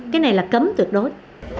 cái này là cấm tuyệt đối